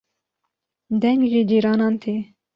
deng ji cîranan tê